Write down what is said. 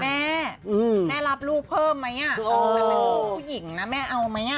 แม่แม่รับลูกเพิ่มไหมอ๋อแม่เป็นผู้หญิงนะแม่เอาไหม